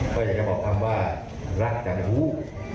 ก็อยากจะบอกคำว่ารักจังหู้